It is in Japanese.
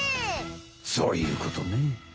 そういうことね。